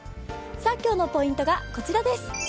今日のポイントがこちらです。